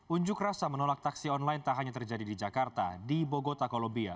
unjuk rasa menolak taksi online tak hanya terjadi di jakarta di bogota kolombia